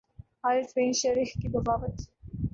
Haris bin Shurayh کی بغاوت